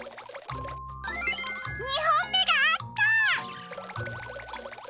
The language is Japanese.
２ほんめがあった！